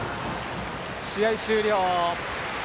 試合終了。